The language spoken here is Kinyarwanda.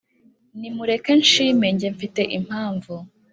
nimureke nshime njye mfite impamvu